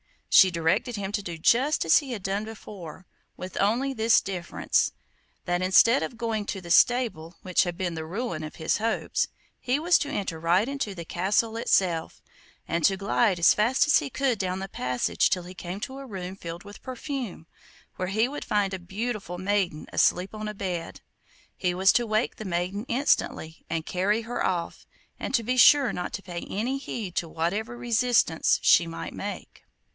She directed him to do just as he had done before, with only this difference, that instead of going to the stable which had been the ruin of his hopes, he was to enter right into the castle itself, and to glide as fast as he could down the passages till he came to a room filled with perfume, where he would find a beautiful maiden asleep on a bed. He was to wake the maiden instantly and carry her off, and to be sure not to pay any heed to whatever resistance she might make.